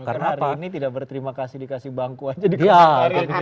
karena hari ini tidak berterima kasih dikasih bangku aja dikoreksi